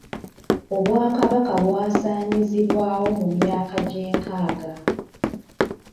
Obwakabaka bwasaanyizibwawo mu myaka gy'enkaaga.